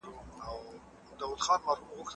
او يو بې وسه انسان